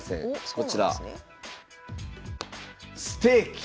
こちらステーキ。